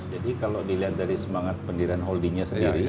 jadi kalau dilihat dari semangat pendirian holdingnya sendiri